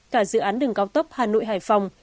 cả dự án đường cao tốc hà nội hải phòng